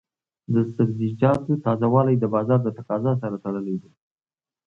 د سبزیجاتو تازه والی د بازار د تقاضا سره تړلی دی.